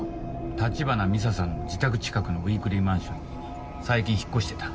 橘美沙さんの自宅近くのウイークリーマンションに最近引っ越してた。